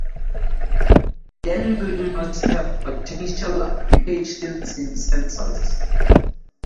Dendrimers have potential applications in sensors.